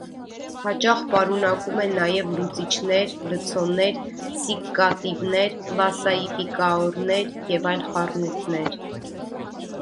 Հաճախ պարունակում են նաև լուծիչներ, լցոններ, սիկկատիվներ, պլասաիֆիկաաորներ և այլ խառնուրդներ։